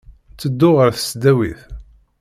Ttedduɣ ɣer tesdawit.